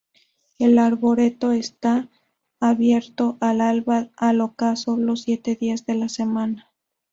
El arboreto está abierto del alba al ocaso los siete días de la semana.